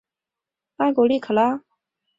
阿古利可拉。